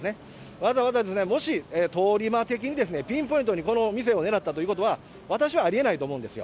わざわざ、もし通り魔的にピンポイントにこの店を狙ったということは、私はありえないと思うんですよ。